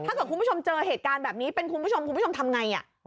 ถ้าเกิดคุณผู้ชมเจอเหตุการณ์แบบนี้เป็นคุณผู้ชมคุณผู้ชมทำไง